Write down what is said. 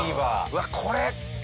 うわっこれ。